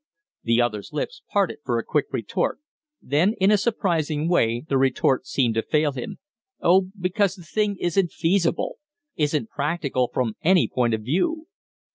The other's lips parted for a quick retort; then in a surprising way the retort seemed to fail him. "Oh, because the thing isn't feasible, isn't practicable from any point of view."